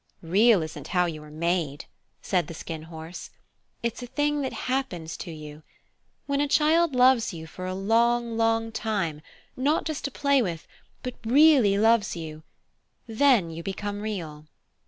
"Real isn't how you are made," said the Skin Horse. "It's a thing that happens to you. When a child loves you for a long, long time, not just to play with, but REALLY loves you, then you become Real."